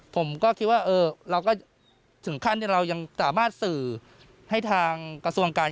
ผมก็คิดว่าเราก็ถึงขั้นที่เรายังสามารถสื่อให้ทางกระทรวงการ